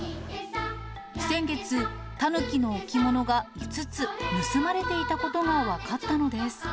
先月、タヌキの置物が５つ、盗まれていたことが分かったのです。